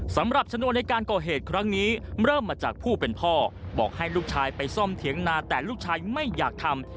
สำหรับชนวนในการก่อเหตุครั้งนี้เริ่มมาจากผู้เป็นพ่อบอกให้ลูกชายไปซ่อมเถียงนาแต่ลูกชายไม่อยากทำ